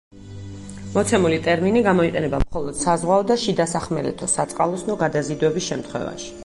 მოცემული ტერმინი გამოიყენება მხოლოდ საზღვაო და შიდასახმელეთო საწყალოსნო გადაზიდვების შემთხვევაში.